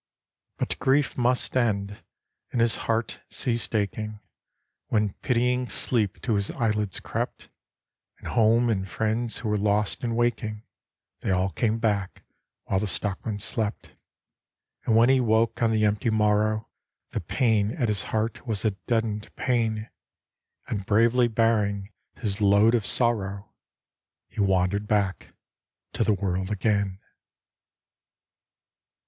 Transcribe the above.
But grief must end, and his heart ceased aching When pitying sleep to his eye lids crept, And home and friends who were lost in waking, They all came back while the stockman slept. And when he woke on the empty morrow, The pain at his heart was a deadened pain; And bravely bearing his load of sorrow, He wandered back to the world again.